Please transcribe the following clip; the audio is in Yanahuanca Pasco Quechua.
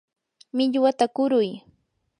millwata kuruy.